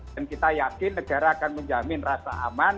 dan kita yakin negara akan menjamin rasa aman